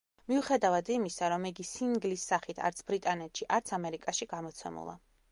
მიუხედავად იმისა, რომ იგი სინგლის სახით არც ბრიტანეთში, არც ამერიკაში გამოცემულა.